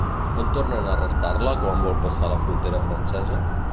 On tornen a arrestar-la quan vol passar la frontera francesa?